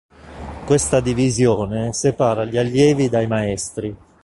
Questa divisione separa gli allievi dai maestri.